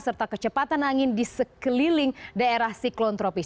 serta kecepatan angin di sekeliling daerah siklon tropis